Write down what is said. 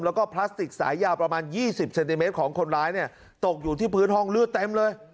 แล้วก็พลาสติกสายยาวประมาณ๒๐เซนติเมตรของคนร้ายเนี่ยตกอยู่ที่พื้นห้องเลือดเต็มเลย